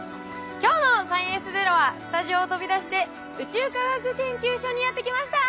今日の「サイエンスＺＥＲＯ」はスタジオを飛び出して宇宙科学研究所にやって来ました！